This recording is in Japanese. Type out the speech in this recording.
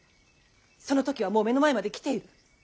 その時はもう目の前まで来ている。